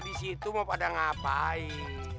di situ mau pada ngapain